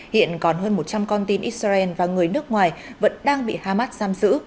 hiện còn hơn một trăm linh con tin israel và người nước ngoài vẫn đang bị hamas giam giữ